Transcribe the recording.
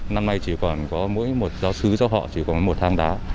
năm nay chỉ còn có mỗi một giáo sư giáo họ chỉ còn một hang đá